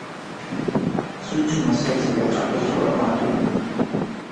زوو چوومە سەر جێگا، چونکە زۆر ماندوو بووم.